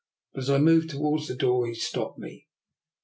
But as I moved towards the door he stopped me.